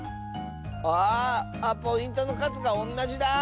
あポイントのかずがおんなじだ。